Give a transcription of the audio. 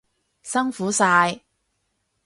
辛苦晒！